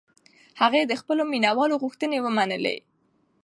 هغې د خپلو مینهوالو غوښتنې ومنلې.